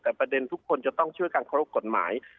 แต่ประเด็นทุกคนจะต้องช่วยกันเคารพกฎหมาย